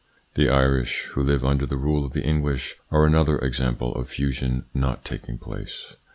The Irish, who live under the rule of the English, are another example of fusion not taking place.